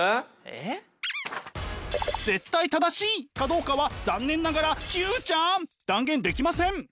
絶対正しいかどうかは残念ながら９ちゃん断言できません。